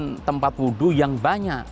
kita siapkan tempat wudhu yang banyak